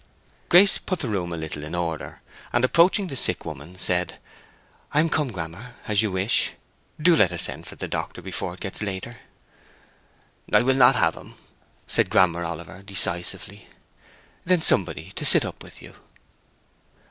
Grace put the room a little in order, and approaching the sick woman, said, "I am come, Grammer, as you wish. Do let us send for the doctor before it gets later." "I will not have him," said Grammer Oliver, decisively. "Then somebody to sit up with you."